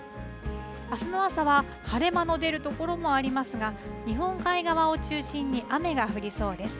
あすの朝は晴れ間の出る所もありますが日本海側を中心に雨が降りそうです。